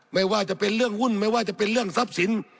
ไม่ว่าจะเป็นเรื่องหุ้นไม่ว่าจะเป็นเรื่องทรัพย์สิน